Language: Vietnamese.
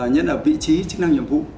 nhất là vị trí chức năng nhiệm vụ